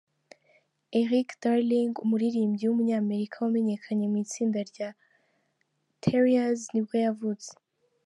Erik Darling, umuririmbyi w’umunyamerika wamenyekanye mu itsinda rya Tarriers nibwo yavutse.